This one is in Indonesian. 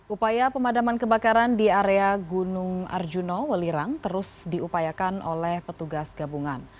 upaya pemadaman kebakaran di area gunung arjuna welirang terus diupayakan oleh petugas gabungan